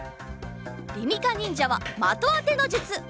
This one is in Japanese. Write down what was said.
りみかにんじゃはまとあてのじゅつ！